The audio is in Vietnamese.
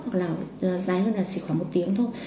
hoặc là dài hơn là khoảng một tiếng thôi